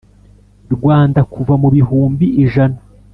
Rwanda kuva ku bihumbi ijana